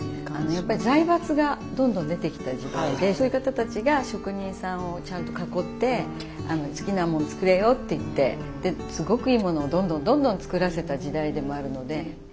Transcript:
やっぱり財閥がどんどん出てきた時代でそういう方たちが職人さんをちゃんと囲って好きなもん作れよって言ってすごくいいものをどんどんどんどん作らせた時代でもあるので。